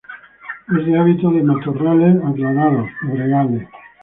Es de hábito de matorrales aclarados, pedregales.